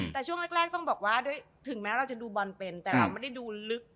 แต่ช่วงแรกต้องบอกว่าถึงแม้เราจะดูบอลเป็นแต่เราไม่ได้ดูลึก